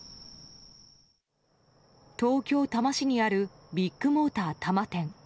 東京・多摩市にあるビッグモーター多摩店。